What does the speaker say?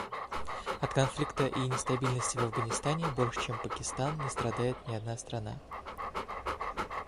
От конфликта и нестабильности в Афганистане больше чем Пакистан не страдает ни одна страна.